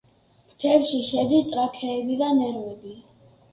ფრთებში შედის ტრაქეები და ნერვები.